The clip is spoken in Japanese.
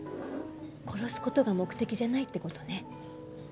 殺す事が目的じゃないって事ね。